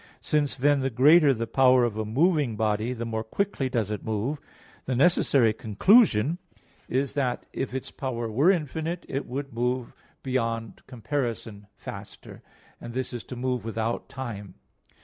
Since then the greater the power of a moving body, the more quickly does it move; the necessary conclusion is that if its power were infinite, it would move beyond comparison faster, and this is to move without time.